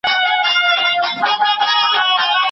که علم خپور نه کړي نو خلک به په تیاره کي پاته سي.